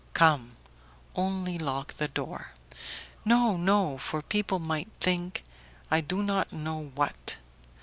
"Come; only lock the door." "No, no, for people might think.... I do not know what."